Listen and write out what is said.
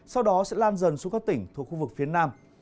sau đó sẽ lan dần xuống các tỉnh thuộc khu vực phía nam